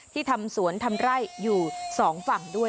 ทำสวนทำไร่อยู่สองฝั่งด้วย